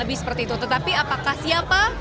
lebih seperti itu tetapi apakah siapa